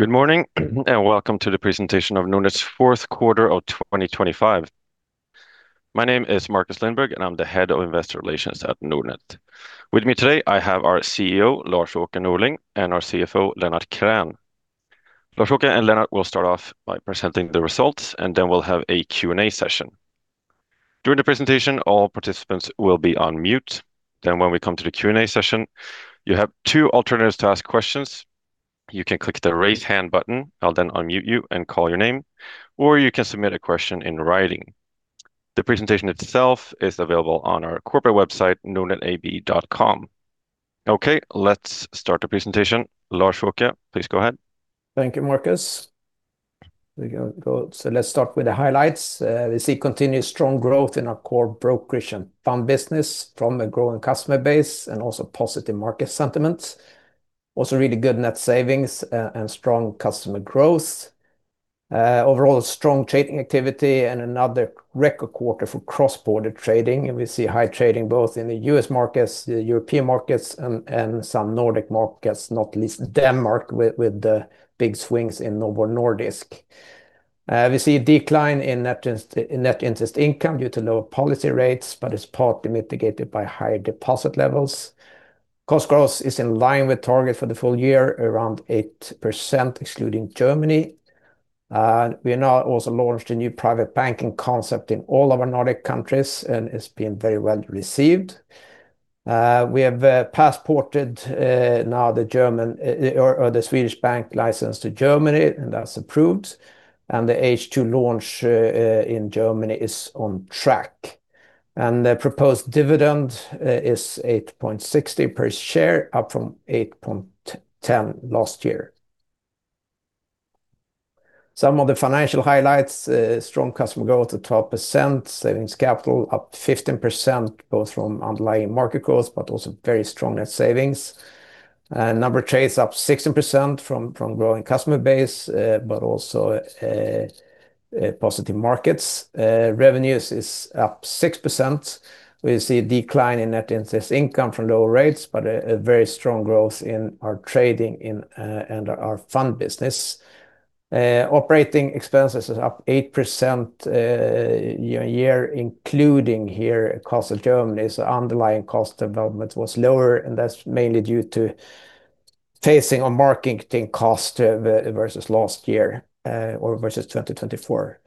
Good morning, and welcome to the presentation of Nordnet's fourth quarter of 2025. My name is Marcus Lindberg, and I'm the Head of Investor Relations at Nordnet. With me today, I have our CEO, Lars-Åke Norling, and our CFO, Lennart Krän. Lars-Åke and Lennart will start off by presenting the results, and then we'll have a Q&A session. During the presentation, all participants will be on mute. Then when we come to the Q&A session, you have two alternatives to ask questions. You can click the Raise Hand button. I'll then unmute you and call your name, or you can submit a question in writing. The presentation itself is available on our corporate website, nordnetab.com. Okay, let's start the presentation. Lars-Åke, please go ahead. Thank you, Marcus. So let's start with the highlights. We see continued strong growth in our core brokerage and fund business from a growing customer base and also positive market sentiments. Also really good net savings, and strong customer growth. Overall strong trading activity and another record quarter for cross-border trading. And we see high trading both in the U.S. markets, the European markets, and some Nordic markets, not least Denmark, with the big swings in Novo Nordisk. We see a decline in net interest income due to lower policy rates, but it's partly mitigated by higher deposit levels. Cost growth is in line with target for the full year, around 8%, excluding Germany. And we now also launched a new private banking concept in all of our Nordic countries, and it's been very well received. We have passported now the German or the Swedish bank license to Germany, and that's approved, and the H2 launch in Germany is on track. The proposed dividend is 8.60 per share, up from 8.10 last year. Some of the financial highlights, strong customer growth at 12%, savings capital up 15%, both from underlying market growth, but also very strong net savings. Number of trades up 16% from growing customer base, but also positive markets. Revenues is up 6%. We see a decline in net interest income from lower rates, but a very strong growth in our trading and our fund business. Operating expenses is up 8% year-over-year, including here cost of Germany. So underlying cost development was lower, and that's mainly due to savings on marketing costs versus last year, or versus 2024.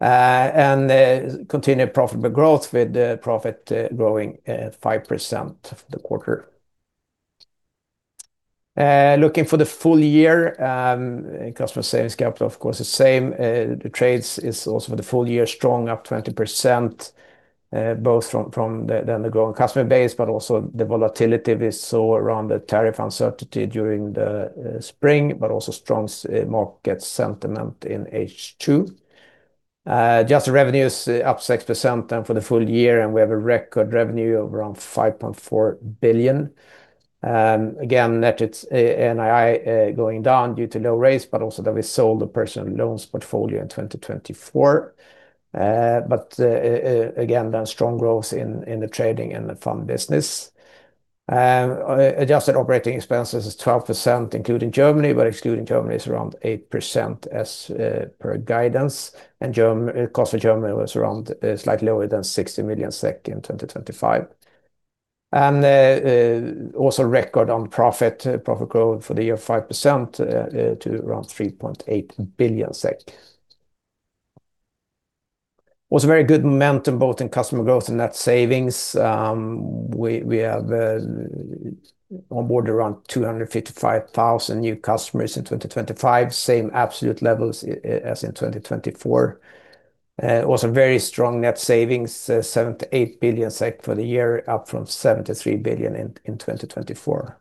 And the continued profitable growth with the profit growing 5% for the quarter. Looking for the full year, customer savings capital, of course, the same. The trades is also for the full year, strong, up 20%, both from, from the, the growing customer base, but also the volatility we saw around the tariff uncertainty during the spring, but also strong stock market sentiment in H2. Just the revenues up 6% and for the full year, and we have a record revenue of around 5.4 billion. Again, net it's NII going down due to low rates, but also that we sold the personal loans portfolio in 2024. But again, strong growth in the trading and the fund business. Adjusted operating expenses is 12%, including Germany, but excluding Germany is around 8% as per guidance. Cost for Germany was around slightly lower than 60 million SEK in 2025. Also, record profit growth for the year of 5% to around 3.8 billion SEK. Was very good momentum, both in customer growth and net savings. We have on board around 255,000 new customers in 2025, same absolute levels as in 2024. Also very strong net savings, 78 billion SEK for the year, up from 73 billion in 2024.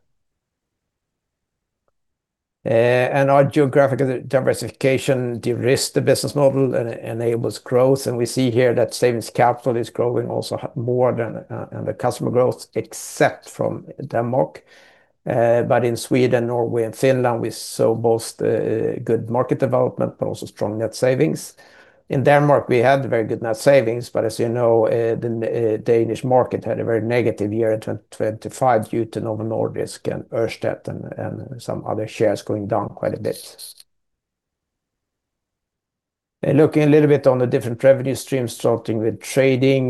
And our geographic diversification de-risk the business model and enables growth, and we see here that savings capital is growing also more than, than the customer growth, except from Denmark. But in Sweden, Norway, and Finland, we saw both, good market development, but also strong net savings. In Denmark, we had very good net savings, but as you know, the Danish market had a very negative year in 2025 due to Novo Nordisk and Ørsted and, and some other shares going down quite a bit. And looking a little bit on the different revenue streams, starting with trading,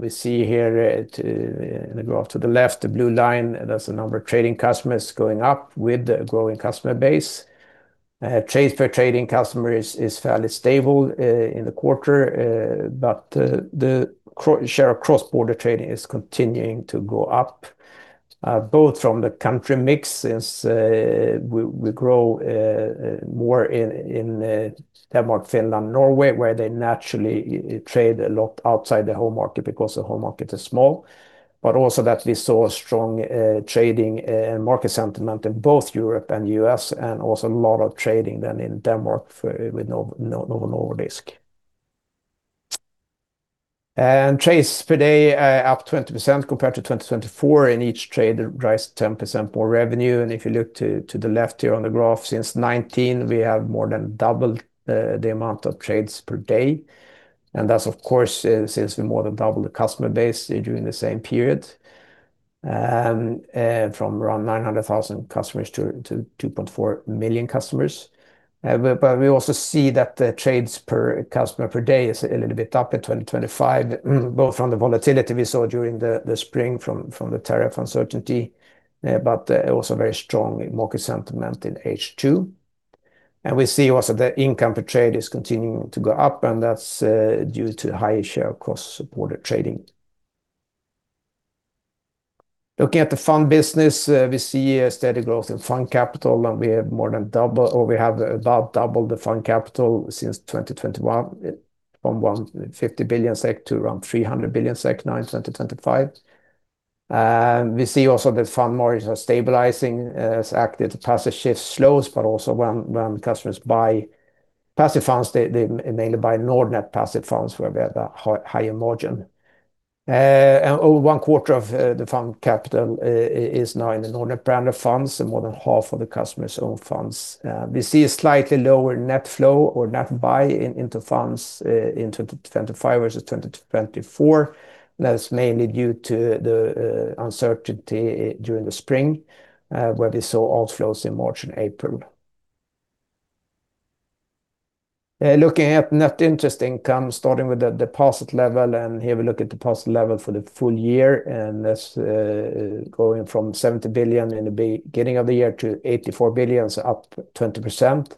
we see here, the graph to the left, the blue line, that's the number of trading customers going up with the growing customer base. Trades per trading customer is fairly stable in the quarter, but the share of cross-border trading is continuing to go up, both from the country mix, since we grow more in Denmark, Finland, Norway, where they naturally trade a lot outside their home market because the home market is small, but also that we saw a strong trading and market sentiment in both Europe and US, and also a lot of trading in Denmark with Novo Nordisk. Trades per day up 20% compared to 2024, and each trade drives 10% more revenue. If you look to the left here on the graph, since 2019, we have more than doubled the amount of trades per day. That's, of course, since we more than doubled the customer base during the same period. From around 900,000 customers to 2.4 million customers. But we also see that the trades per customer per day is a little bit up in 2025, both from the volatility we saw during the spring from the tariff uncertainty, but also very strong market sentiment in H2. We see also the income per trade is continuing to go up, and that's due to high share of cross-border trading. Looking at the fund business, we see a steady growth in fund capital, and we have more than double, or we have about double the fund capital since 2021, from 150 billion SEK to around 300 billion SEK now in 2025. We see also the fund margins are stabilizing, as active to passive shift slows, but also when customers buy passive funds, they mainly buy Nordnet passive funds, where we have the higher margin. And over one quarter of the fund capital is now in the Nordnet brand of funds, and more than half of the customers own funds. We see a slightly lower net flow or net buy in into funds in 2025 versus 2024. That's mainly due to the uncertainty during the spring, where we saw outflows in March and April. Looking at net interest income, starting with the deposit level, and here we look at deposit level for the full year, and that's going from 70 billion in the beginning of the year to 84 billion, so up 20%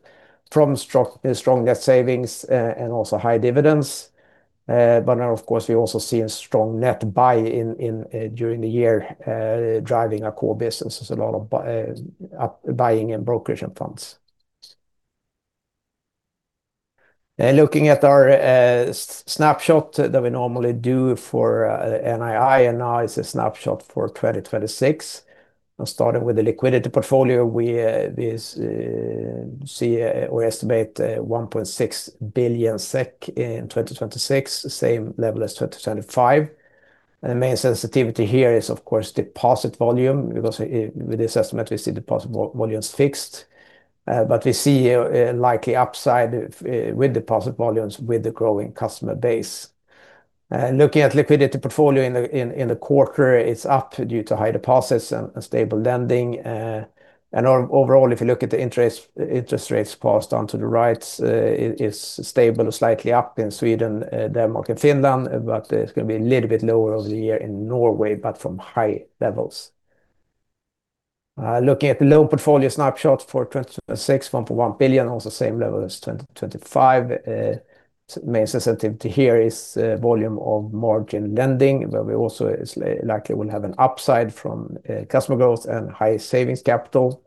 from strong net savings and also high dividends. But now, of course, we also see a strong net buying during the year, driving our core business. There's a lot of buying in brokerage and funds. And looking at our snapshot that we normally do for NII, NII is a snapshot for 2026. And starting with the liquidity portfolio, we see or estimate 1.6 billion SEK in 2026, the same level as 2025. The main sensitivity here is, of course, deposit volume, because with this estimate, we see deposit volumes fixed. But we see a likely upside with deposit volumes with the growing customer base. Looking at liquidity portfolio in the quarter, it's up due to high deposits and stable lending. Overall, if you look at the interest rates passed on to the rates, it is stable or slightly up in Sweden, Denmark, and Finland, but it's going to be a little bit lower over the year in Norway, but from high levels. Looking at the loan portfolio snapshot for 2026, 1.1 billion, also same level as 2025. Main sensitivity here is volume of margin lending, but we also is likely will have an upside from customer growth and high savings capital.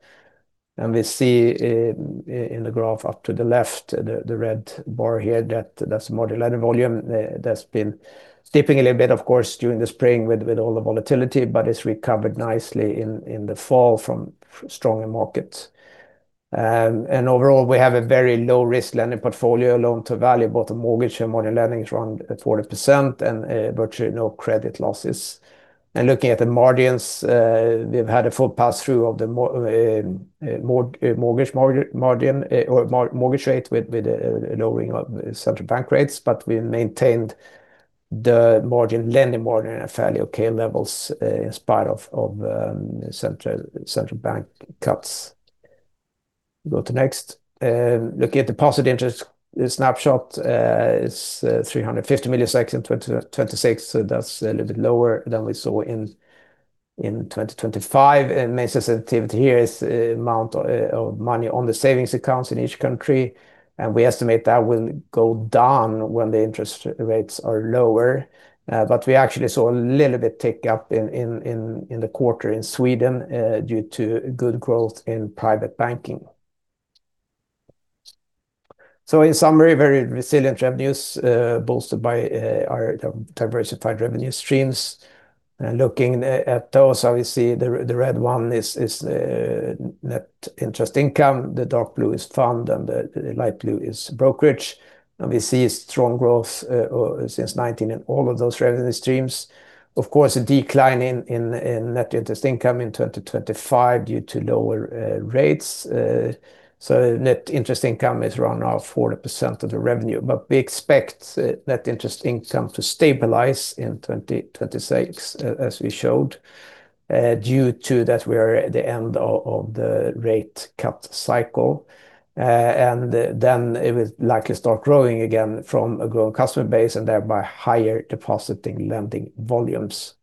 And we see in the graph up to the left, the red bar here, that that's mortgage lending volume. That's been dipping a little bit, of course, during the spring with all the volatility, but it's recovered nicely in the fall from stronger markets. And overall, we have a very low-risk lending portfolio, loan-to-value, both the mortgage and margin lending is around at 40% and virtually no credit losses. Looking at the margins, we've had a full pass-through of the mortgage margin, mortgage rate with a lowering of central bank rates, but we maintained the margin lending margin at fairly okay levels, in spite of central bank cuts. Go to next. Looking at deposit interest, the snapshot is 350 million in 2026, so that's a little bit lower than we saw in 2025. Main sensitivity here is amount of money on the savings accounts in each country, and we estimate that will go down when the interest rates are lower. But we actually saw a little bit tick up in the quarter in Sweden, due to good growth in private banking. So in summary, very resilient revenues, bolstered by our diversified revenue streams. Looking at those, obviously, the red one is net interest income, the dark blue is fund, and the light blue is brokerage. We see strong growth since 2019 in all of those revenue streams. Of course, a decline in net interest income in 2025 due to lower rates. So net interest income is around now 40% of the revenue. But we expect net interest income to stabilize in 2026, as we showed, due to that we are at the end of the rate cut cycle. And then it will likely start growing again from a growing customer base and thereby higher depositing lending volumes.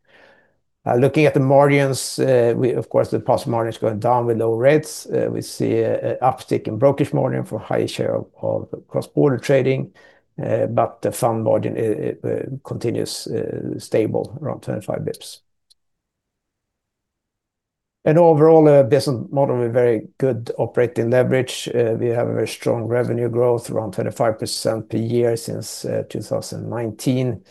Looking at the margins, we... Of course, the deposit margin is going down with low rates. We see a uptick in brokerage margin for high share of cross-border trading, but the fund margin continues stable, around 25 basis points. And overall, a business model with very good operating leverage. We have a very strong revenue growth, around 25% per year since 2019.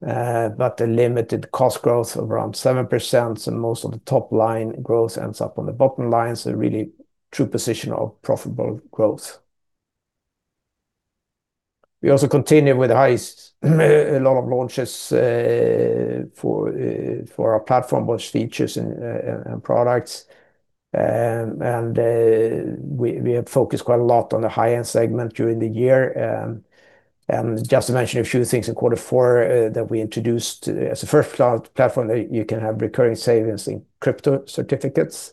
But a limited cost growth of around 7%, so most of the top line growth ends up on the bottom line, so really true position of profitable growth. We also continue with a lot of launches for our platform, both features and products. And we have focused quite a lot on the high-end segment during the year. And just to mention a few things in quarter four, that we introduced as a first platform, that you can have recurring savings in crypto certificates.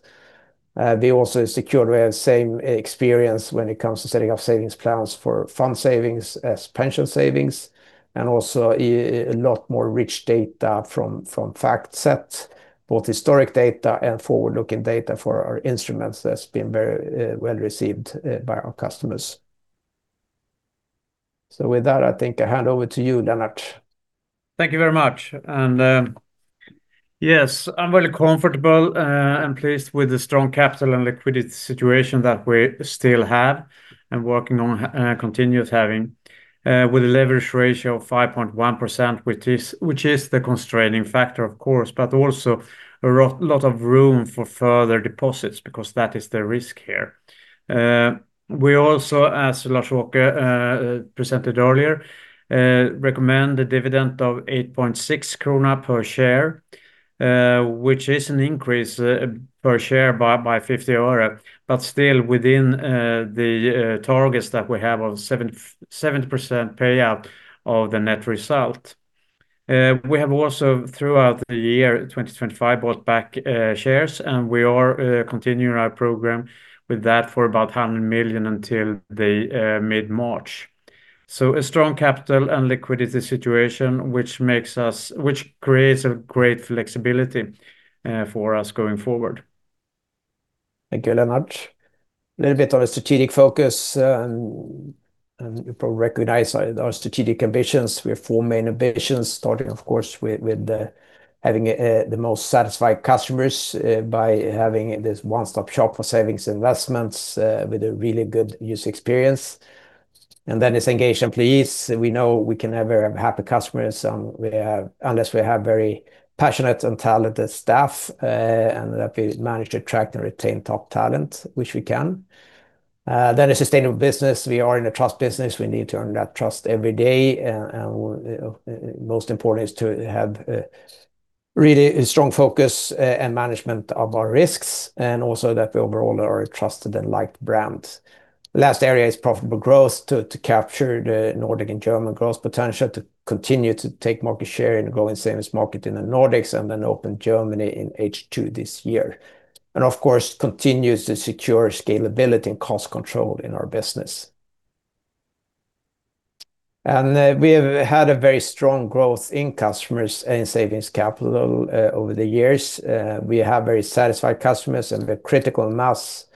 We also secured we have the same experience when it comes to setting up savings plans for fund savings as pension savings, and also a lot more rich data from FactSet, both historic data and forward-looking data for our instruments. That's been very well received by our customers. So with that, I think I hand over to you, Lennart. Thank you very much. Yes, I'm very comfortable and pleased with the strong capital and liquidity situation that we still have, and working on continuous having with a leverage ratio of 5.1%, which is the constraining factor, of course, but also a lot of room for further deposits, because that is the risk here. We also, as Lars-Åke presented earlier, recommend a dividend of 8.6 krona per share, which is an increase per share by 50 öre, but still within the targets that we have of 70% payout of the net result. We have also, throughout the year 2025, bought back shares, and we are continuing our program with that for about 100 million until mid-March. So a strong capital and liquidity situation, which creates a great flexibility for us going forward. Thank you, Lennart. A little bit on a strategic focus, and you probably recognize our strategic ambitions. We have four main ambitions, starting, of course, with having the most satisfied customers by having this one-stop shop for savings investments with a really good user experience. And then engage employees. We know we can never have happy customers unless we have very passionate and talented staff, and that we manage to attract and retain top talent, which we can. Then a sustainable business. We are in a trust business. We need to earn that trust every day, and most important is to have really a strong focus and management of our risks, and also that we overall are a trusted and liked brand. Last area is profitable growth, to capture the Nordic and German growth potential, to continue to take market share in the growing savings market in the Nordics, and then open Germany in H2 this year. And of course, continue to secure scalability and cost control in our business. And we have had a very strong growth in customers and savings capital over the years. We have very satisfied customers and a critical mass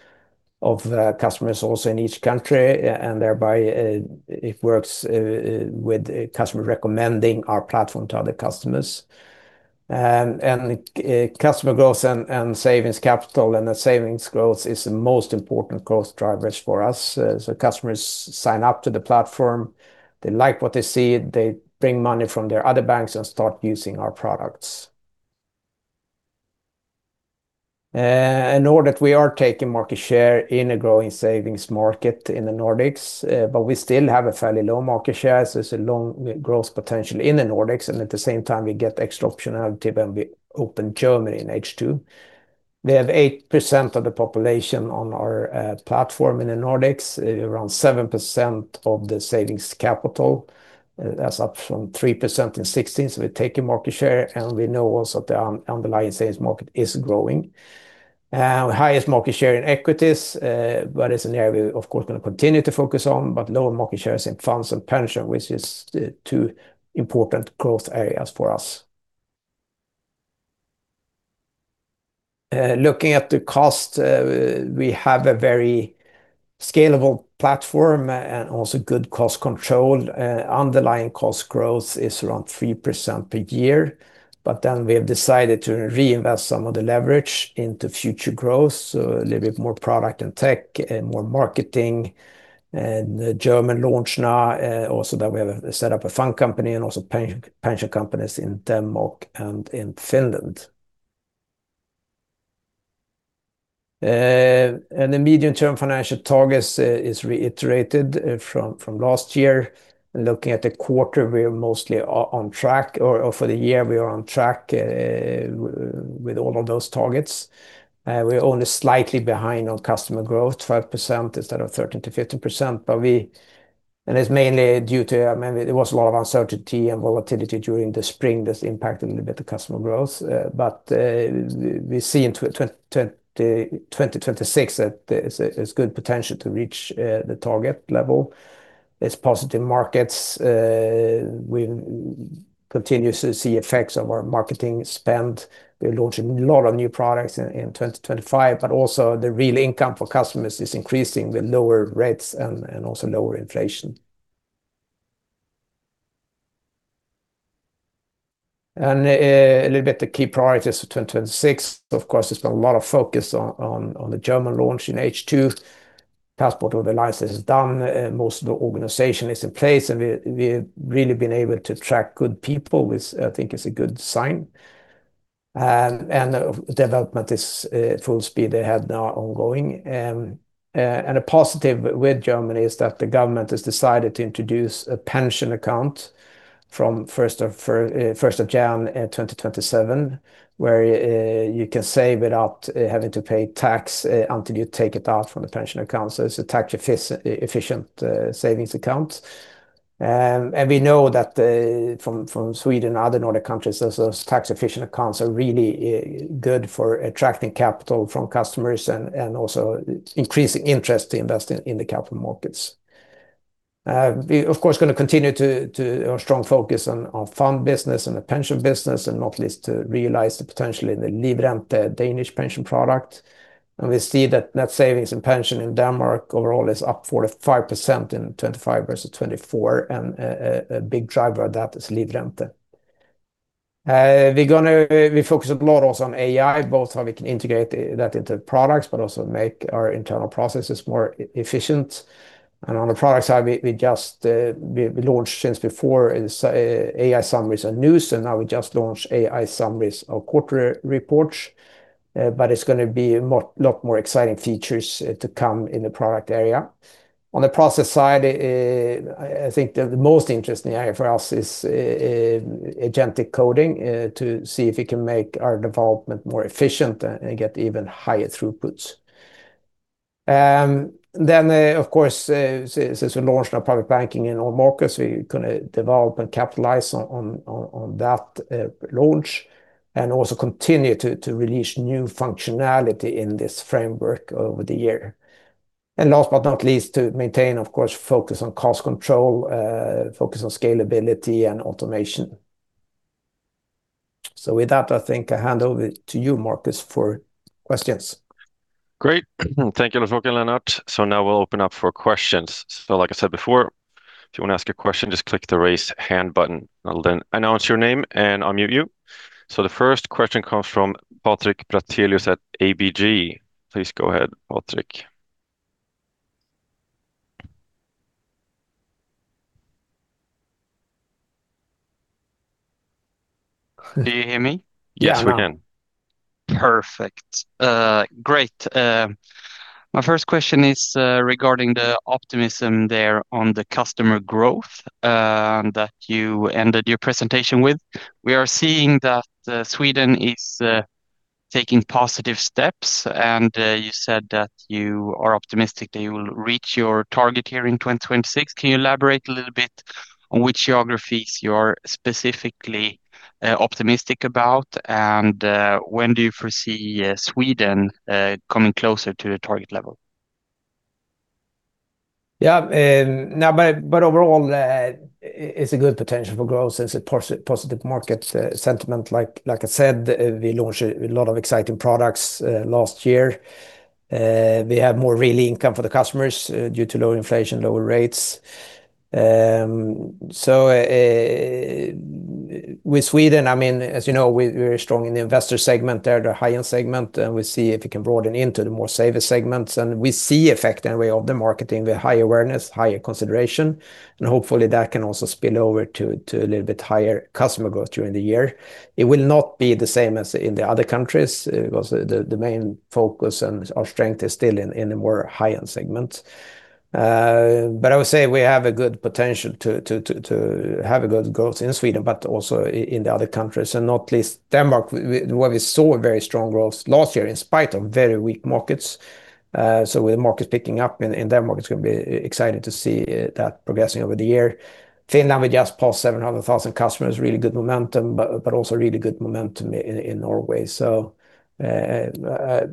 of customers also in each country, and thereby it works with a customer recommending our platform to other customers. And customer growth and savings capital, and the savings growth is the most important growth drivers for us. So customers sign up to the platform, they like what they see, they bring money from their other banks and start using our products. I know that we are taking market share in a growing savings market in the Nordics, but we still have a fairly low market share, so there's a long growth potential in the Nordics. At the same time, we get extra optionality when we open Germany in H2. We have 8% of the population on our platform in the Nordics, around 7% of the savings capital. That's up from 3% in 2016, so we're taking market share, and we know also the underlying savings market is growing. Highest market share in equities, but it's an area we, of course, going to continue to focus on, but lower market shares in funds and pension, which is the two important growth areas for us. Looking at the cost, we have a very scalable platform and also good cost control. Underlying cost growth is around 3% per year, but then we have decided to reinvest some of the leverage into future growth, so a little bit more product and tech and more marketing. And the German launch now, also that we have set up a fund company and also pension companies in Denmark and in Finland. And the medium-term financial targets is reiterated from last year. Looking at the quarter, we are mostly on track, or for the year, we are on track with all of those targets. We're only slightly behind on customer growth, 12% instead of 13%-15%, but we... And it's mainly due to, I mean, there was a lot of uncertainty and volatility during the spring that's impacted a little bit the customer growth. But we see in 2026 that there's good potential to reach the target level. There's positive markets. We continue to see effects of our marketing spend. We're launching a lot of new products in 2025, but also the real income for customers is increasing with lower rates and also lower inflation. And a little bit the key priorities for 2026. Of course, there's been a lot of focus on the German launch in H2. Passport of the license is done, and most of the organization is in place, and we we've really been able to attract good people, which I think is a good sign. And development is full speed ahead now ongoing. And a positive with Germany is that the government has decided to introduce a pension account from first of January 2027, where you can save without having to pay tax until you take it out from the pension account. So it's a tax efficient savings account. And we know that from Sweden and other Nordic countries, those tax-efficient accounts are really good for attracting capital from customers and also increasing interest to invest in the capital markets. We, of course, are gonna continue to a strong focus on fund business and the pension business, and not least, to realize the potential in the Livrente Danish pension product. We see that net savings and pension in Denmark overall is up 45% in 2025 versus 2024, and a big driver of that is Livrente. We focus a lot also on AI, both how we can integrate that into products, but also make our internal processes more efficient. And on the product side, we just launched since before AI summaries and news, and now we just launched AI summaries of quarterly reports. But it's gonna be a lot more exciting features to come in the product area. On the process side, I think the most interesting AI for us is agentic coding, to see if we can make our development more efficient and get even higher throughputs. Then, of course, since we launched our private banking in all markets, we're gonna develop and capitalize on that launch, and also continue to release new functionality in this framework over the year. And last but not least, to maintain, of course, focus on cost control, focus on scalability and automation. So with that, I think I hand over to you, Marcus, for questions. Great. Thank you for talking, Lennart. So now we'll open up for questions. So like I said before, if you want to ask a question, just click the Raise Hand button. I'll then announce your name and unmute you. So the first question comes from Patrik Brattelius at ABG. Please go ahead, Patrik. Do you hear me? Yes, we can. Perfect. Great. My first question is regarding the optimism there on the customer growth that you ended your presentation with. We are seeing that Sweden is taking positive steps, and you said that you are optimistic that you will reach your target here in 2026. Can you elaborate a little bit on which geographies you're specifically optimistic about? And when do you foresee Sweden coming closer to the target level? Yeah, but overall, it's a good potential for growth. It's a positive market sentiment. Like I said, we launched a lot of exciting products last year. We have more real income for the customers due to lower inflation, lower rates. So, with Sweden, I mean, as you know, we're strong in the investor segment there, the high-end segment, and we see if we can broaden into the safer segments. And we see effect of the marketing, the high awareness, higher consideration, and hopefully that can also spill over to a little bit higher customer growth during the year. It will not be the same as in the other countries, because the main focus and our strength is still in the more high-end segments. I would say we have a good potential to have a good growth in Sweden, but also in the other countries, and not least Denmark, where we saw a very strong growth last year in spite of very weak markets. With the market picking up in Denmark, it's gonna be exciting to see that progressing over the year. Finland, we just passed 700,000 customers, really good momentum, but also really good momentum in Norway.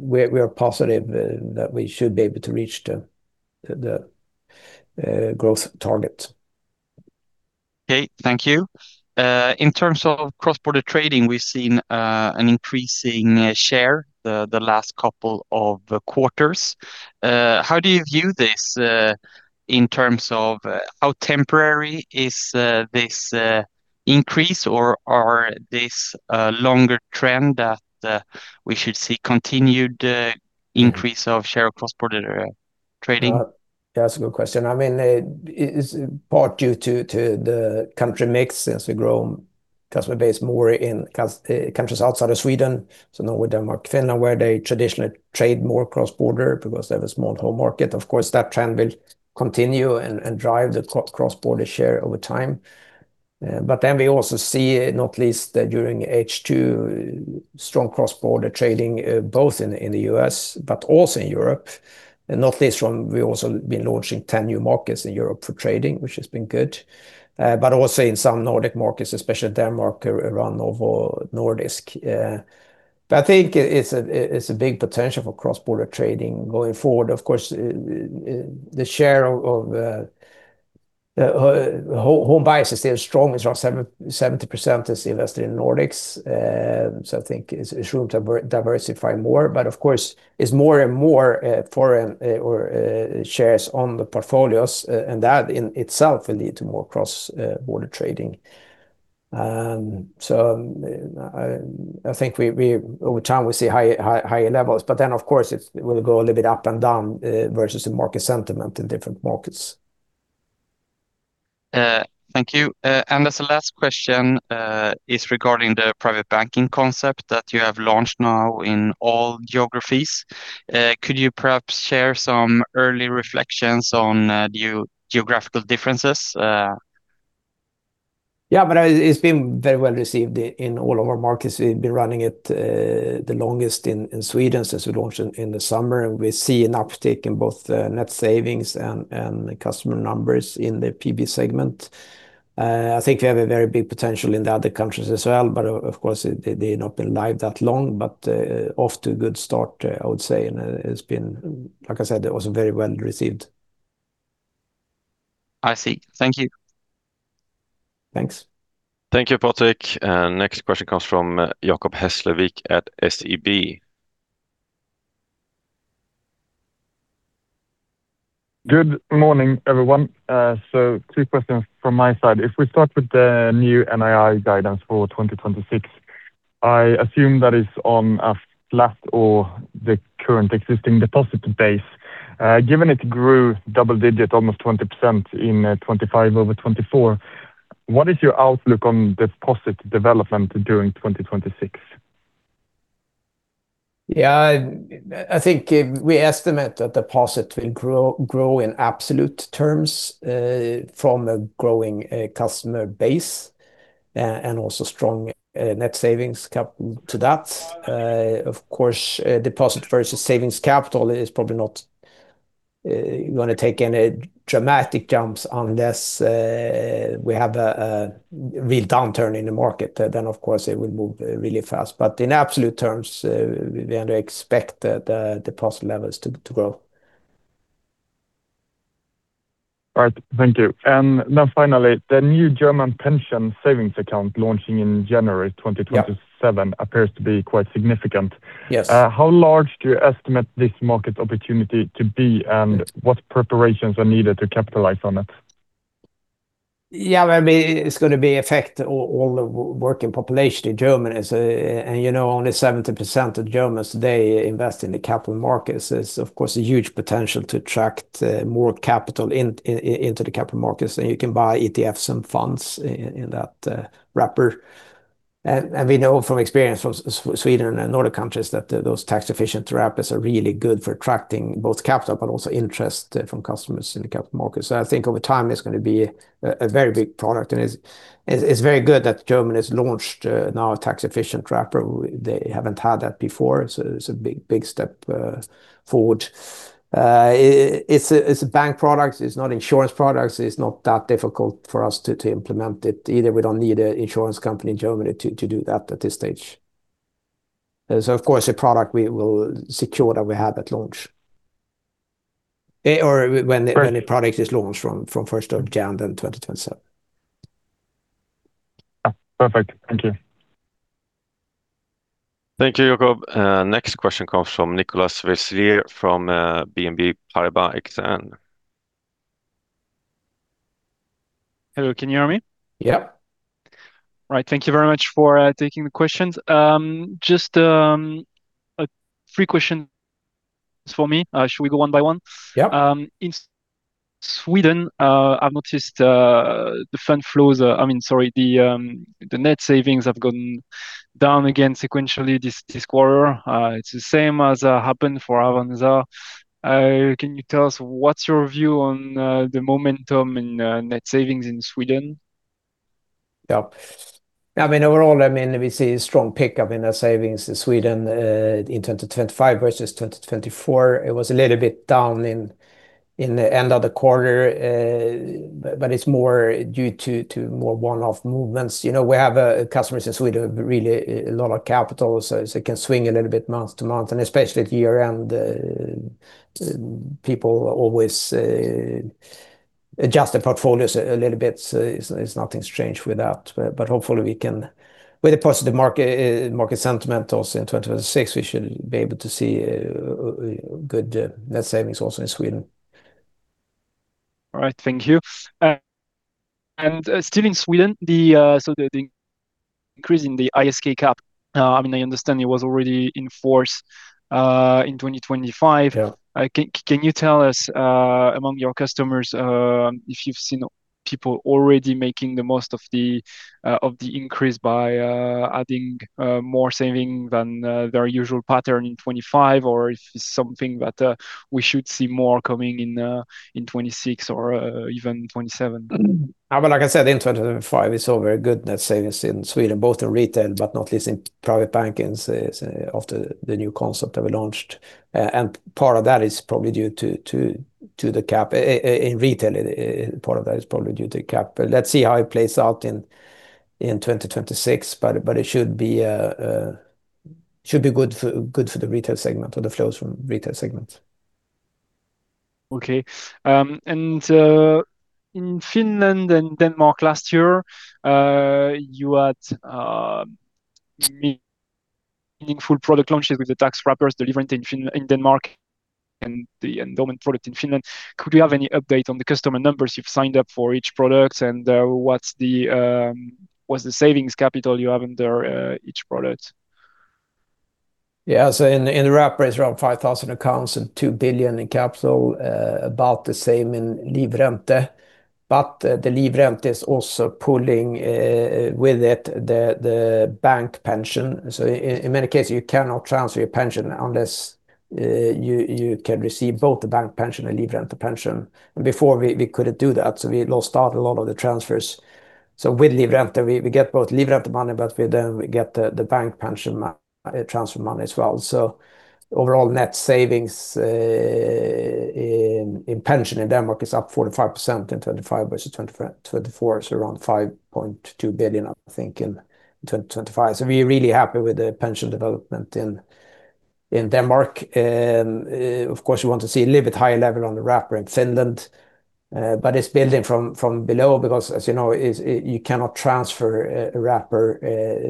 We are positive that we should be able to reach the growth target. Okay, thank you. In terms of cross-border trading, we've seen an increasing share in the last couple of quarters. How do you view this in terms of how temporary is this increase, or is this a longer trend that we should see continued increase of share of cross-border trading? Yeah, that's a good question. I mean, it's part due to, to the country mix as we grow customer base more in countries outside of Sweden, so Norway, Denmark, Finland, where they traditionally trade more cross-border because they have a small home market. Of course, that trend will continue and drive the cross-border share over time. But then we also see, not least during H2, strong cross-border trading, both in the U.S., but also in Europe, and not least from... We also been launching 10 new markets in Europe for trading, which has been good. But also in some Nordic markets, especially Denmark, around Novo Nordisk. But I think it's a big potential for cross-border trading going forward. Of course, the share of home bias is still strong. It's around 70, 70% is invested in Nordics. So I think it's room to diversify more, but of course, it's more and more foreign shares on the portfolios, and that in itself will lead to more cross-border trading. So I think we over time, we see higher levels, but then, of course, it will go a little bit up and down versus the market sentiment in different markets. Thank you. As the last question is regarding the private banking concept that you have launched now in all geographies. Could you perhaps share some early reflections on the geographical differences? Yeah, but it's been very well received in all of our markets. We've been running it the longest in Sweden since we launched in the summer, and we see an uptick in both net savings and customer numbers in the PB segment. I think we have a very big potential in the other countries as well, but of course, they've not been live that long. But off to a good start, I would say, and it's been, like I said, it was very well received. I see. Thank you. Thanks. Thank you, Patrik. Next question comes from Jacob Hesslevik at SEB. Good morning, everyone. So two questions from my side. If we start with the new NII guidance for 2026, I assume that is on a flat or the current existing deposit base. Given it grew double-digit, almost 20% in 2025 over 2024, what is your outlook on deposit development during 2026? Yeah, I think we estimate that deposit will grow in absolute terms from a growing customer base and also strong net savings capital to that. Of course, deposit versus savings capital is probably not going to take any dramatic jumps unless we have a real downturn in the market. Then, of course, it will move really fast. But in absolute terms, we only expect the deposit levels to grow. All right, thank you. Then finally, the new German pension savings account launching in January 2027- Yeah Appears to be quite significant. Yes. How large do you estimate this market opportunity to be, and what preparations are needed to capitalize on it? Yeah, I mean, it's going to affect all the working population in Germany. So, you know, only 70% of Germans today invest in the capital markets. There's, of course, a huge potential to attract more capital into the capital markets, and you can buy ETFs and funds in that wrapper. And we know from experience from Sweden and other countries that those tax-efficient wrappers are really good for attracting both capital, but also interest from customers in the capital markets. So I think over time, it's going to be a very big product, and it's very good that Germany has launched now a tax-efficient wrapper. They haven't had that before, so it's a big step forward. It's a bank product. It's not insurance product, so it's not that difficult for us to, to implement it either. We don't need an insurance company in Germany to, to do that at this stage. So of course, a product we will secure that we have at launch, or when the- Right When the product is launched from first of January 2027. Yeah. Perfect. Thank you. Thank you, Jacob. Next question comes from Nicolas Vayssières from BNP Paribas Exane. Hello, can you hear me? Yeah. All right, thank you very much for taking the questions. Just three questions for me. Should we go one by one? Yeah. In Sweden, I've noticed the fund flows, I mean, sorry, the net savings have gone down again sequentially this quarter. It's the same as happened for Avanza. Can you tell us what's your view on the momentum in net savings in Sweden? Yeah. I mean, overall, I mean, we see a strong pickup in our savings in Sweden in 2025 versus 2024. It was a little bit down in the end of the quarter, but it's more due to more one-off movements. You know, we have customers in Sweden, really a lot of capital, so it can swing a little bit month to month, and especially at year-end, people always adjust their portfolios a little bit, so it's nothing strange with that. But hopefully we can... With a positive market market sentiment also in 2026, we should be able to see a good net savings also in Sweden. All right. Thank you. And still in Sweden, so the increase in the ISK cap, I mean, I understand it was already in force in 2025. Yeah. Can you tell us, among your customers, if you've seen people already making the most of the increase by adding more saving than their usual pattern in 2025, or if it's something that we should see more coming in in 2026 or even 2027? Well, like I said, in 2025, we saw very good net savings in Sweden, both in retail, but not least in private banking, since after the new concept that we launched. And part of that is probably due to the cap. In retail, part of that is probably due to cap. Let's see how it plays out in 2026, but it should be good for the retail segment or the flows from retail segment. Okay. And in Finland and Denmark last year, you had meaningful product launches with the tax wrappers delivering in Denmark and the endowment product in Finland. Could we have any update on the customer numbers you've signed up for each product, and what's the savings capital you have under each product? Yeah, so in the wrapper is around 5,000 accounts and 2 billion in capital, about the same in Livrente, but the Livrente is also pulling with it the bank pension. So in many cases, you cannot transfer your pension unless you can receive both the bank pension and Livrente pension. And before we couldn't do that, so we lost out a lot of the transfers. So with Livrente, we get both Livrente money, but then we get the bank pension transfer money as well. So overall net savings in pension in Denmark is up 45% in 2025, versus 2024, so around 5.2 billion, I think, in 2025. So we're really happy with the pension development in Denmark. Of course, we want to see a little bit higher level on the wrapper in Finland, but it's building from below, because as you know, it's you cannot transfer a wrapper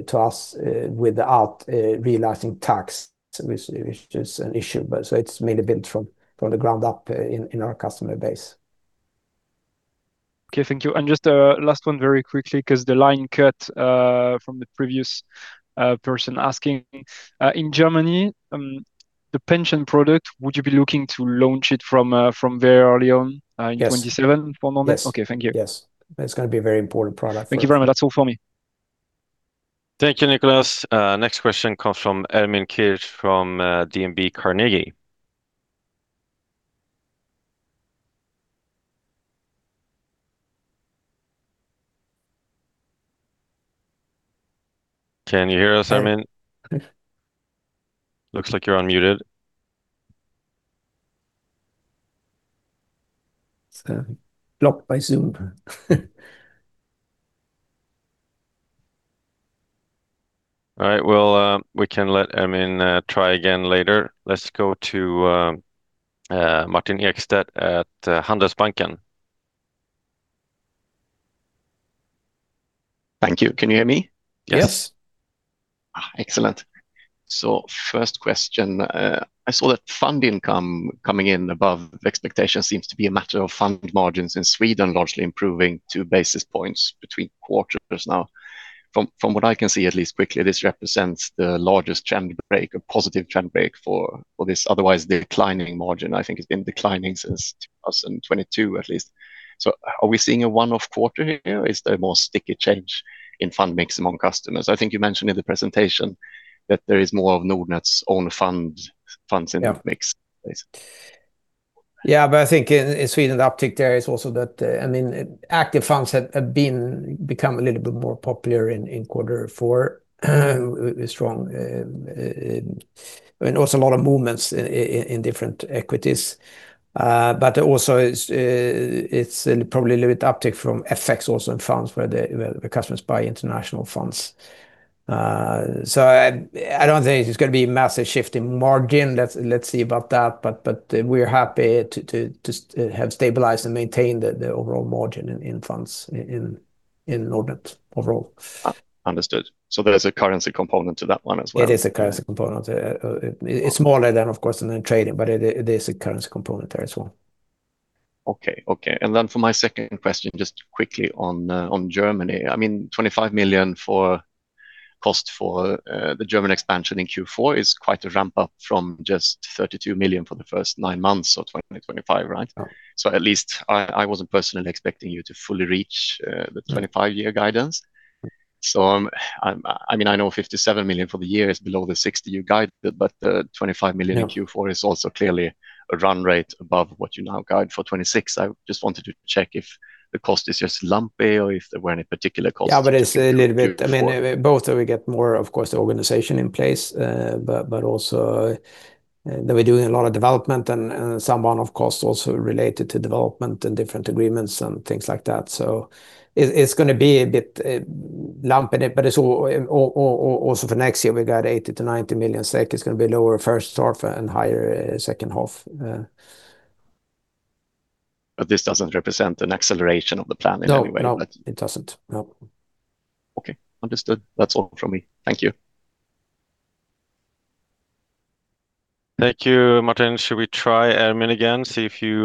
to us without realizing tax, which is an issue. But so it's mainly built from the ground up in our customer base. Okay, thank you. And just a last one very quickly, 'cause the line cut from the previous person asking. In Germany, the pension product, would you be looking to launch it from very early on? Yes In 2027 for moment? Yes. Okay, thank you. Yes. It's gonna be a very important product for us. Thank you very much. That's all for me. Thank you, Nicolas. Next question comes from Ermin Keric from DNB Carnegie. Can you hear us, Ermin? Yes. Looks like you're unmuted. It's blocked by Zoom. All right, well, we can let Ermin try again later. Let's go to Martin Ekstedt at Handelsbanken. Thank you. Can you hear me? Yes. Yes. Ah, excellent! So first question. I saw that fund income coming in above expectation seems to be a matter of fund margins in Sweden, largely improving two basis points between quarters now. From what I can see, at least quickly, this represents the largest trend break, a positive trend break for this otherwise declining margin. I think it's been declining since 2022 at least. So are we seeing a one-off quarter here? Is there a more sticky change in fund mix among customers? I think you mentioned in the presentation that there is more of Nordnet's own funds in- Yeah The mix, basically. Yeah, but I think in Sweden, the uptick there is also that, I mean, active funds have become a little bit more popular in quarter four, with strong, and also a lot of movements in different equities. But also, it's probably a little bit uptick from effects also in funds, where the customers buy international funds. So I don't think it's gonna be a massive shift in margin. Let's see about that, but we're happy to have stabilized and maintained the overall margin in funds in Nordnet overall. Understood. So there is a currency component to that one as well? It is a currency component. It's smaller than, of course, in the trading, but it is a currency component there as well. Okay, okay. And then for my second question, just quickly on, on Germany. I mean, 25 million for cost for the German expansion in Q4 is quite a ramp-up from just 32 million for the first nine months of 2025, right? Yeah. So at least I wasn't personally expecting you to fully reach the 25-year guidance. So I'm, I mean, I know 57 million for the year is below the 60 million you guided, but the 25 million. Yeah In Q4 is also clearly a run rate above what you now guide for 2026. I just wanted to check if the cost is just lumpy or if there were any particular costs- Yeah, but it's- A little bit Q4 A little bit, I mean, both that we get more, of course, the organization in place, but, but also, that we're doing a lot of development and, and someone, of course, also related to development and different agreements and things like that. So it, it's gonna be a bit, lumpy, but it's also for next year, we got 80 million-90 million. It's gonna be lower first half and higher, second half... But this doesn't represent an acceleration of the plan in any way? No, no, it doesn't. No. Okay, understood. That's all from me. Thank you. Thank you, Martin. Should we try Ermin again, see if you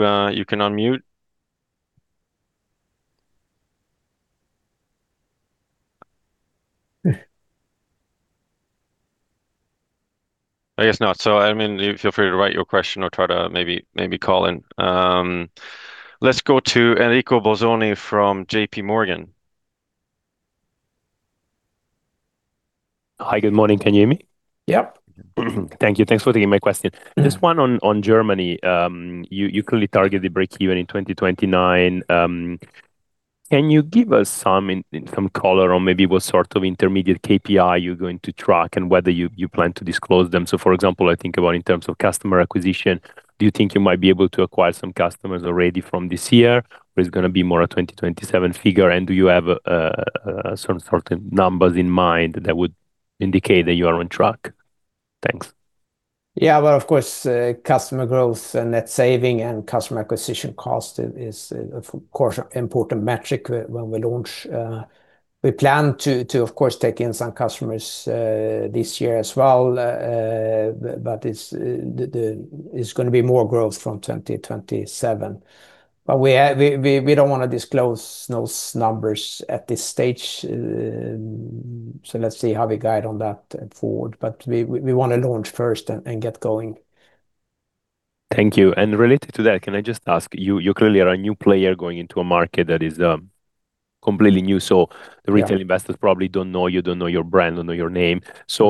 can unmute? I guess not. So Ermin, feel free to write your question or try to maybe, maybe call in. Let's go to Enrico Bolzoni from JPMorgan. Hi, good morning. Can you hear me? Yep. Thank you. Thanks for taking my question. Mm-hmm. Just one on Germany. You clearly target the break even in 2029. Can you give us some color on maybe what sort of intermediate KPI you're going to track and whether you plan to disclose them? So for example, I think about in terms of customer acquisition, do you think you might be able to acquire some customers already from this year, or it's gonna be more a 2027 figure? And do you have some sort of numbers in mind that would indicate that you are on track? Thanks. Yeah, well, of course, customer growth and net saving and customer acquisition cost is, of course, an important metric when we launch. We plan to, of course, take in some customers this year as well. But it's gonna be more growth from 2027. But we don't wanna disclose those numbers at this stage. So let's see how we guide on that forward, but we wanna launch first and get going. Thank you. And related to that, can I just ask, you clearly are a new player going into a market that is completely new, so. Yeah The retail investors probably don't know you, don't know your brand, don't know your name. So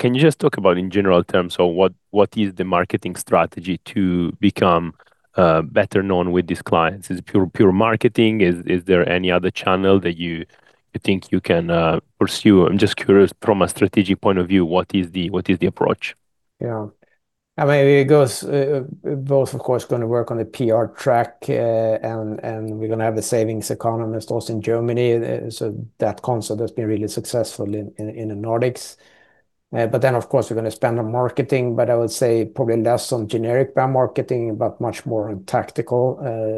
can you just talk about, in general terms, so what, what is the marketing strategy to become better known with these clients? Is it pure, pure marketing? Is, is there any other channel that you, you think you can pursue? I'm just curious from a strategic point of view, what is the, what is the approach? Yeah. I mean, it goes both, of course, gonna work on the PR track, and we're gonna have the savings economist also in Germany. So that concept has been really successful in the Nordics. But then, of course, we're gonna spend on marketing, but I would say probably less on generic brand marketing, but much more on tactical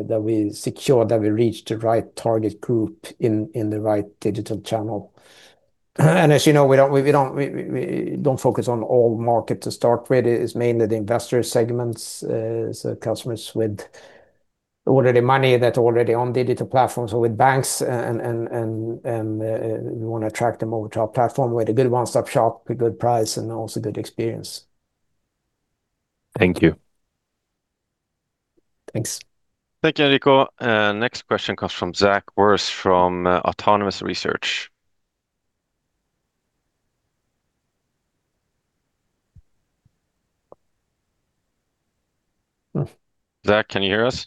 that we secure that we reach the right target group in the right digital channel. And as you know, we don't focus on all market to start with. It's mainly the investor segments, so customers with already money that already on the digital platform, so with banks and we wanna attract them over to our platform with a good one-stop shop, a good price, and also good experience. Thank you. Thanks. Thank you, Enrico. Next question comes from Zach Wirth from Autonomous Research. Zach, can you hear us?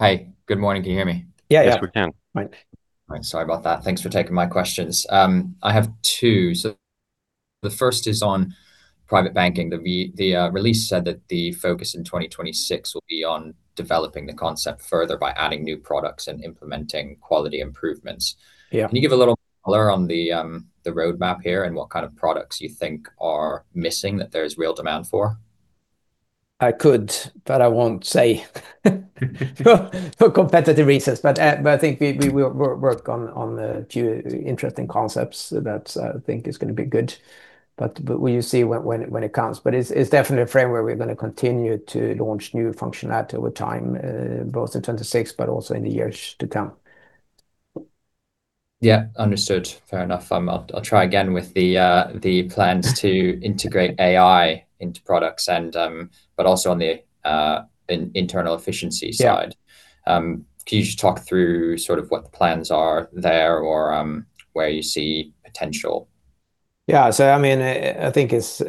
Hi, good morning. Can you hear me? Yeah, yeah. Yes, we can. Right. All right. Sorry about that. Thanks for taking my questions. I have two. So the first is on private banking. The release said that the focus in 2026 will be on developing the concept further by adding new products and implementing quality improvements. Yeah. Can you give a little color on the, the roadmap here and what kind of products you think are missing that there's real demand for? I could, but I won't say, for competitive reasons. But I think we will work on a few interesting concepts that I think is gonna be good. But we'll see when it comes. But it's definitely a framework we're gonna continue to launch new functionality over time, both in 2026, but also in the years to come. Yeah. Understood. Fair enough. I'll try again with the plans to integrate AI into products and but also on the internal efficiency side. Yeah. Can you just talk through sort of what the plans are there or, where you see potential? Yeah. So I mean, I think it's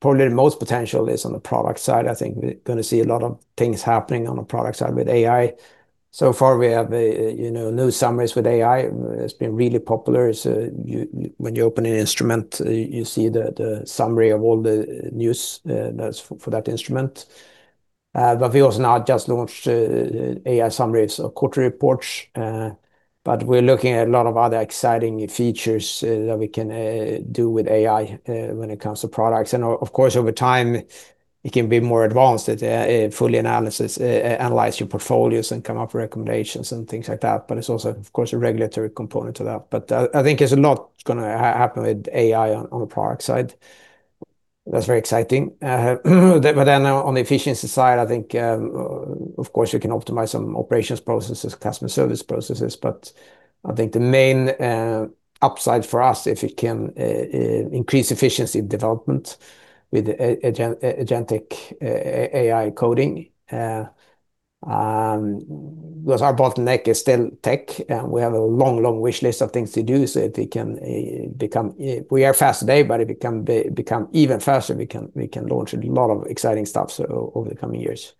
probably the most potential is on the product side. I think we're gonna see a lot of things happening on the product side with AI. So far, we have, you know, new summaries with AI. It's been really popular. It's, when you open an instrument, you see the summary of all the news that's for that instrument. But we also now just launched AI summaries of quarter reports, but we're looking at a lot of other exciting features that we can do with AI when it comes to products. And of course, over time, it can be more advanced, fully analysis, analyze your portfolios and come up with recommendations and things like that. But it's also, of course, a regulatory component to that. But, I think there's a lot gonna happen with AI on, on the product side. That's very exciting. But then on the efficiency side, I think, of course, you can optimize some operations processes, customer service processes. But I think the main upside for us, if we can increase efficiency development with agentic AI coding, because our bottleneck is still tech, and we have a long, long wish list of things to do. So if we can become... We are fast today, but if we can become even faster, we can launch a lot of exciting stuff so over the coming years.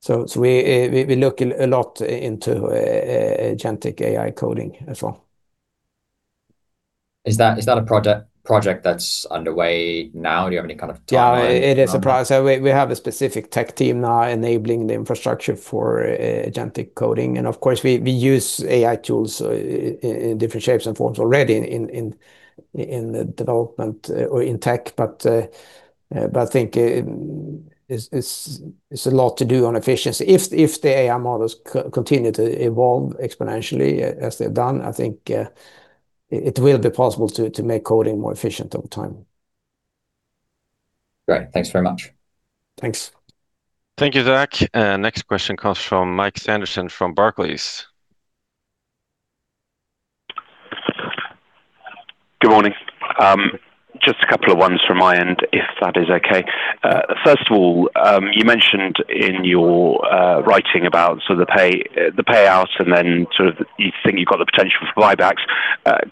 So we look a lot into agentic AI coding as well. Is that a project that's underway now? Do you have any kind of timeline on that? Yeah, it is a project. So we have a specific tech team now enabling the infrastructure for agentic coding. And of course, we use AI tools in the development or in tech. But I think it's a lot to do on efficiency. If the AI models continue to evolve exponentially as they've done, I think it will be possible to make coding more efficient over time. Great. Thanks very much. Thanks. Thank you, Zach. Next question comes from Mike Sanderson, from Barclays. Good morning. Just a couple of ones from my end, if that is okay. First of all, you mentioned in your writing about the payout, and then sort of you think you've got the potential for buybacks.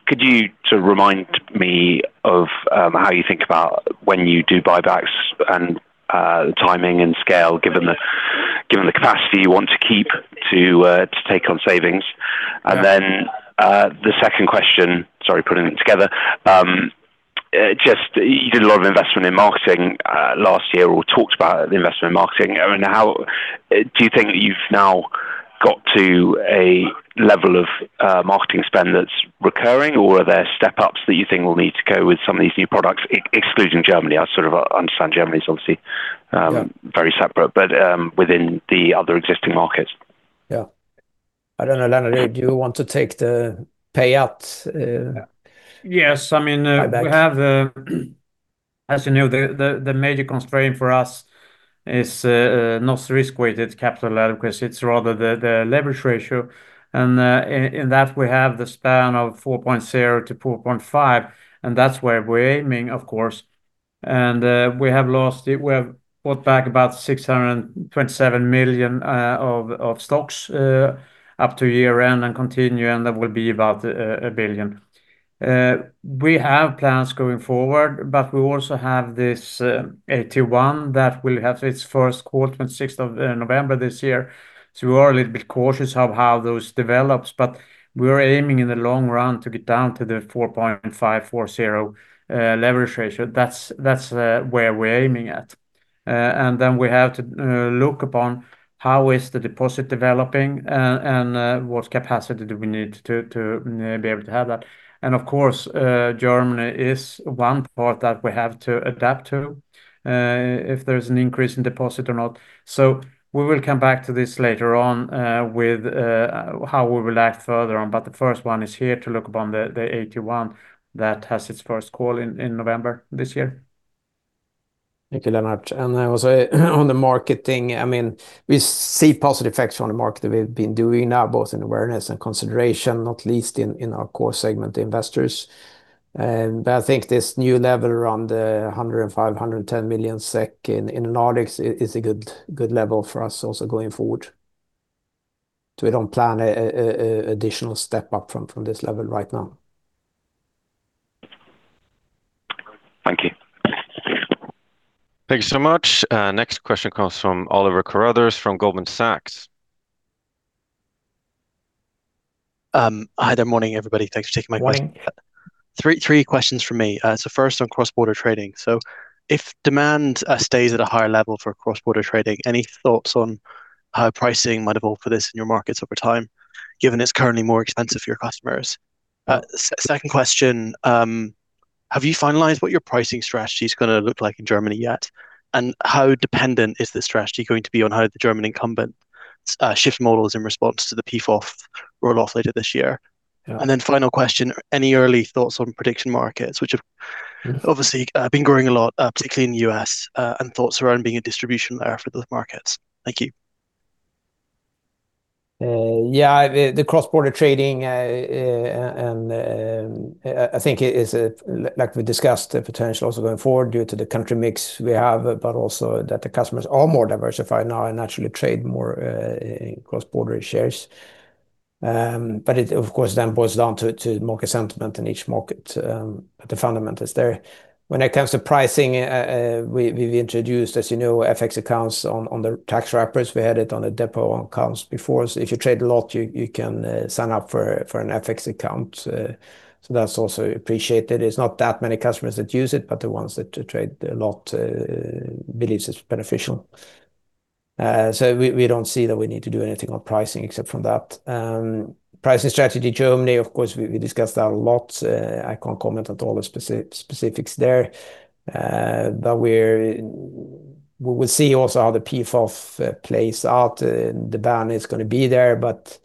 Could you sort of remind me of how you think about when you do buybacks and timing and scale, given the capacity you want to keep to take on savings? Yeah. And then, the second question... Sorry, putting it together. Just you did a lot of investment in marketing last year, or talked about the investment in marketing. I mean, how do you think that you've now got to a level of marketing spend that's recurring, or are there step-ups that you think will need to go with some of these new products, excluding Germany? I sort of understand Germany is obviously. Yeah Very separate, but, within the other existing markets? Yeah. I don't know, Lennart, do you want to take the payout? Yes, I mean. Buyback We have, as you know, the major constraint for us is not risk-weighted capital adequacy. It's rather the leverage ratio, and in that, we have the span of 4.0-4.5, and that's where we're aiming, of course. We have lost it. We have bought back about 627 million of stocks up to year end and continue, and that will be about a billion. We have plans going forward, but we also have this AT1 that will have its first quarter on sixth of November this year. So we are a little bit cautious of how those develops, but we are aiming in the long run to get down to the 4.540 leverage ratio. That's, that's where we're aiming at. And then we have to look upon how is the deposit developing, and what capacity do we need to be able to have that. And of course, Germany is one part that we have to adapt to, if there's an increase in deposit or not. So we will come back to this later on, with how we will act further on, but the first one is here to look upon the, the AT1 that has its first call in, in November this year. Thank you, Lennart. I will say, on the marketing, I mean, we see positive effects on the marketing that we've been doing now, both in awareness and consideration, not least in our core segment, investors. But I think this new level around 105 million-110 million SEK in Nordics is a good, good level for us also going forward. So we don't plan an additional step up from this level right now. Thank you. Thank you so much. Next question comes from Oliver Carruthers from Goldman Sachs. Hi there. Morning, everybody. Thanks for taking my question. Morning. Three questions for me. So first, on cross-border trading. So if demand stays at a higher level for cross-border trading, any thoughts on how pricing might evolve for this in your markets over time, given it's currently more expensive for your customers? Second question, have you finalized what your pricing strategy is gonna look like in Germany yet? And how dependent is this strategy going to be on how the German incumbent shift models in response to the PFOF roll-off later this year? Yeah. Final question: Any early thoughts on prediction markets, which have. Mm-hmm Obviously, been growing a lot, particularly in the U.S., and thoughts around being a distribution layer for those markets? Thank you. Yeah, cross-border trading and I think it is, like we discussed, the potential also going forward due to the country mix we have, but also that the customers are more diversified now and actually trade more in cross-border shares. But it, of course, then boils down to market sentiment in each market, the fundamentals there. When it comes to pricing, we've introduced, as you know, FX accounts on the tax wrappers. We had it on the depot accounts before. So if you trade a lot, you can sign up for an FX account. So that's also appreciated. It's not that many customers that use it, but the ones that trade a lot believes it's beneficial. So we, we don't see that we need to do anything on pricing except from that. Pricing strategy, Germany, of course, we, we discussed that a lot. I can't comment on all the specifics there. But we're. We will see also how the PFOF plays out, and the ban is gonna be there, but,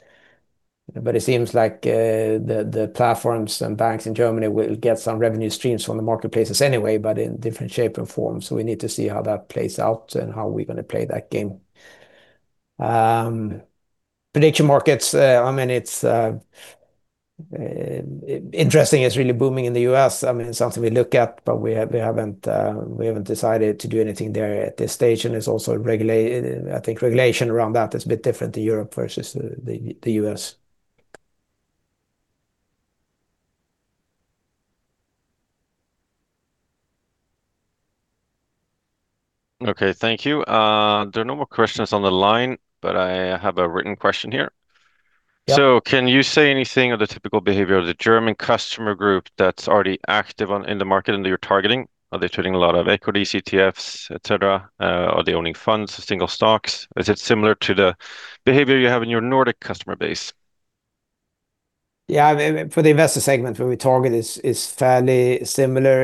but it seems like the, the platforms and banks in Germany will get some revenue streams from the marketplaces anyway, but in different shape and form. So we need to see how that plays out and how we're gonna play that game. Prediction markets, I mean, it's interesting. It's really booming in the U.S. I mean, it's something we look at, but we have, we haven't, we haven't decided to do anything there at this stage, and it's also regulated. I think regulation around that is a bit different to Europe versus the U.S. Okay, thank you. There are no more questions on the line, but I have a written question here. Yeah. So can you say anything of the typical behavior of the German customer group that's already active in the market and that you're targeting? Are they trading a lot of equity, ETFs, et cetera? Are they owning funds, single stocks? Is it similar to the behavior you have in your Nordic customer base? Yeah, I mean, for the investor segment, where we target is fairly similar.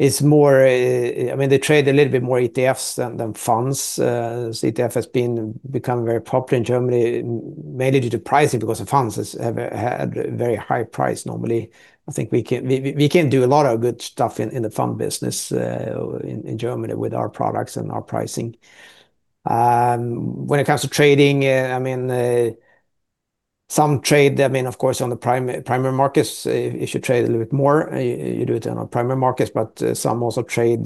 It's more, I mean, they trade a little bit more ETFs than funds. So ETF has been becoming very popular in Germany, mainly due to pricing, because the funds have had very high price normally. I think we can do a lot of good stuff in the fund business in Germany with our products and our pricing. When it comes to trading, I mean, some trade, I mean, of course, on the primary markets, if you trade a little bit more, you do it on primary markets, but some also trade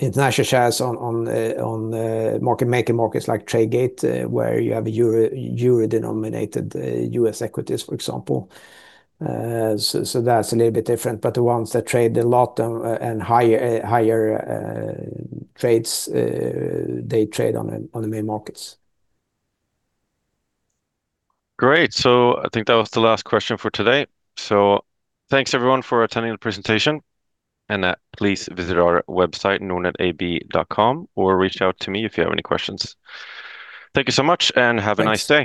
international shares on market-making markets like Tradegate, where you have euro-denominated U.S. equities, for example. So, so that's a little bit different, but the ones that trade a lot, and higher, higher, trades, they trade on the, on the main markets. Great. So I think that was the last question for today. So thanks, everyone, for attending the presentation, and please visit our website, nordnetab.com, or reach out to me if you have any questions. Thank you so much, and have a nice day.